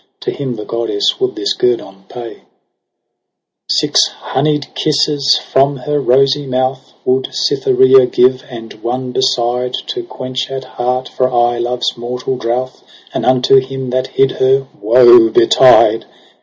To him the goddess would this guerdon pay : 14. Six honied kisses from her rosy mouth Would Cytherea give, and one beside To QUENCH AT HEART FOR AYE LOVE's MORTAL DROUTH : But UNTO him that hid her. Woe betide